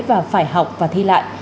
và phải học và thi lại